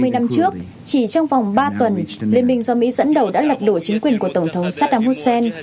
hai mươi năm trước chỉ trong vòng ba tuần liên minh do mỹ dẫn đầu đã lập đổ chính quyền của tổng thống saddam hussein